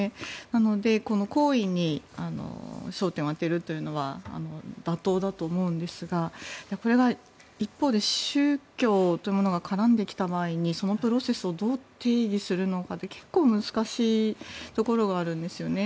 なので、この行為に争点を当てるというのは妥当だと思うんですがこれが一方で宗教というものが絡んできた場合にそのプロセスをどう定義するのかって結構難しいところがあるんですよね。